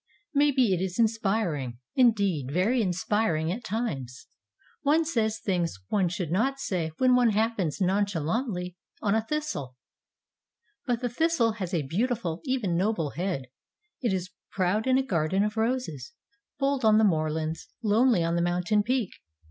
Maybe it is inspiring, indeed very inspiring at times. One says things one should not say when one happens nonchalantly on a thistle. But the thistle has a beautiful, even noble head. It is proud in a garden of roses, bold on the moorlands, lonely on the mountain peak.